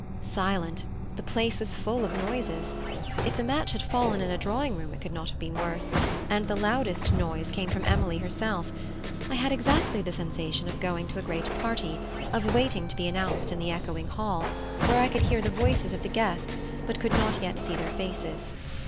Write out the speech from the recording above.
Silent! the place was full of noises. If the match had fallen in a drawing room it could not have been worse, and the loudest noise came from beside Emily herself. I had exactly the sensation of going to a great party, of waiting to be announced in the echoing hall, where I could hear the voices of the guests, but could not yet see their faces.